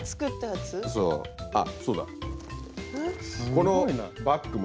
このバッグも。